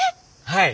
はい！